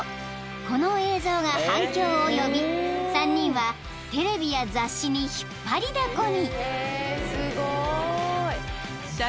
この映像が反響を呼び３人はテレビや雑誌に引っ張りだこに］